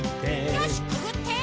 よしくぐって！